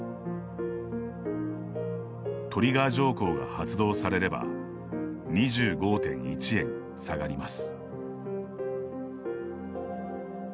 トリガー条項が発動されれば２５．１円、下がります。